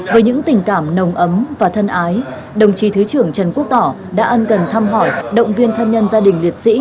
với những tình cảm nồng ấm và thân ái đồng chí thứ trưởng trần quốc tỏ đã ân cần thăm hỏi động viên thân nhân gia đình liệt sĩ